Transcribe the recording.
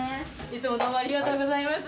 いつもどうもありがとうございます。